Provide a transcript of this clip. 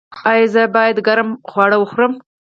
ایا زه باید ګرم خواړه وخورم؟